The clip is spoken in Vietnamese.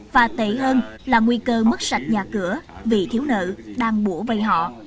và tệ hơn là nguy cơ mất sạch nhà cửa vì thiếu nợ đang bổ vây họ